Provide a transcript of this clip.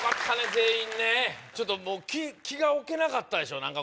全員ねちょっともう気がおけなかったでしょ？